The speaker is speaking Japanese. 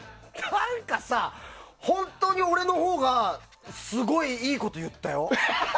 何かさ、本当に俺のほうがすごいいいことを言ったよ？